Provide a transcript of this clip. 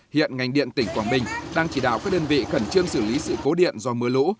hiện ngành điện tỉnh quảng bình đang chỉ đạo các đơn vị khẩn trương xử lý sự cố điện do mưa lũ